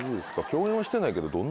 共演はしてないけど。